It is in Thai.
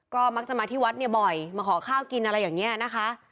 ก็มักจะมาที่วัดเนี่ยบ่อยมาขอข้าวกินอะไรอย่างนี้นะคะ